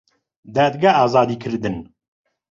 دادگا ئازادی کردن